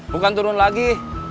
bukan turun lagi